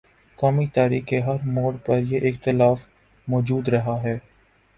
قومی تاریخ کے ہر موڑ پر یہ اختلاف مو جود رہا ہے۔